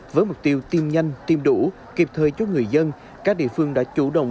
với mục tiêu tiêm nhanh tiêm đủ kịp thời cho người dân các địa phương đã chủ động